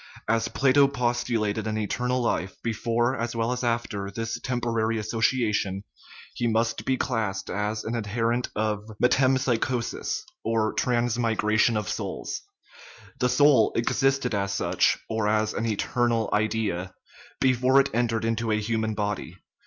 As Plato postulated an eternal life before as well as after this temporary association, he must be classed as an adherent of " metempsychosis/' or transmigration of souls ; the soul existed as such, or as an " eternal idea," before it entered into a human body.